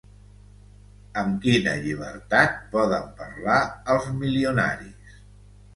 Amb quina llibertat poden parlar els milionaris.